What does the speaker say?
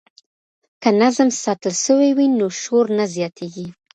که نظم ساتل سوی وي نو شور نه زیاتیږي.